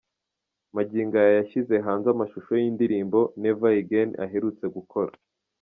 Magingo aya yashyize hanze amashusho y'indirimbo 'Never again' aherutse gukora.